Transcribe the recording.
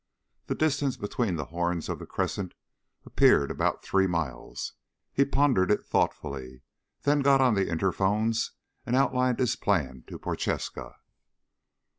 The distance between the horns of the crescent appeared about three miles. He pondered it thoughtfully, then got on the interphones and outlined his plan to Prochaska.